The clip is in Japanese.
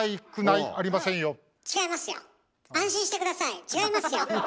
違いますよ！